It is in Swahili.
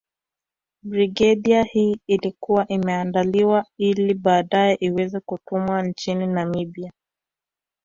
Brigedia hii ilikuwa imeandaliwa ili baadae iweze kutumwa nchini Namibia